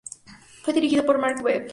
Fue dirigido por Marc Webb.